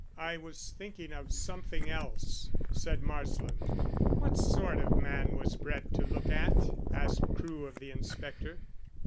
"I was thinking of something else," said Marsland. "What sort of man was Brett to look at?" asked Crewe of the inspector.